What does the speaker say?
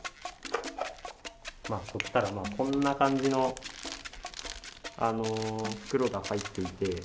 取ったらこんな感じの袋が入っていて。